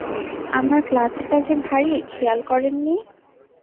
আমার ক্লাচটা যে ভারি, খেয়াল করেননি?